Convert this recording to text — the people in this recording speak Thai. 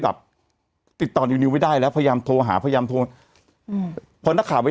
กับติดต่อนิวนิวไม่ได้แล้วพยายามโทรหาพยายามโทรอืมพอนักข่าวไป